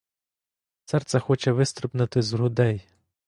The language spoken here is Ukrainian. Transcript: Серце хоче вистрибнути з грудей.